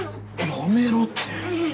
やめろって！